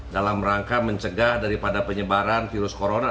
dalam rangka mencegah daripada penyebaran virus corona